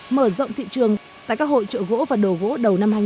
mở rộng thị trường tại các hội trợ gỗ và đồ gỗ đầu năm hai nghìn hai mươi